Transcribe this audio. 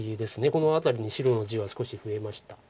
この辺りに白地は少し増えました。